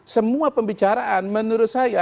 semua pembicaraan menurut saya